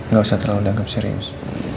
gak usah terlalu dianggap serius